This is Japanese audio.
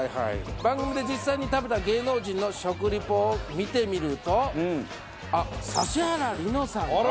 番組で実際に食べた芸能人の食リポを見てみるとあっ指原莉乃さんが。